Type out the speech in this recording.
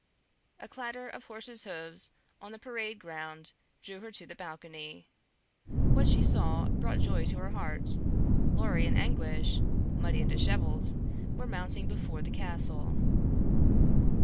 A clatter of horses' hoofs on the parade ground drew her to the balcony. What she saw brought joy to her heart. Lorry and Anguish, muddy and disheveled, were dismounting before the castle.